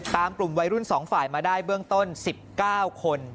กลุ่มวัยรุ่น๒ฝ่ายมาได้เบื้องต้น๑๙คน